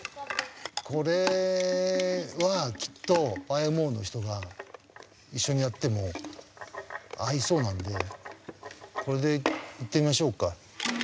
これはきっとＹＭＯの人が一緒にやっても合いそうなんでこれでいってみましょうか。